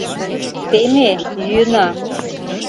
— Теме, йӱына!